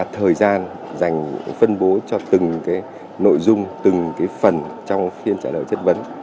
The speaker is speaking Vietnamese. thời gian dành phân bố cho từng cái nội dung từng cái phần trong phiên trả lời chất vấn